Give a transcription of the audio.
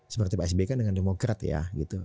seperti pak sby kan dengan demokrat ya gitu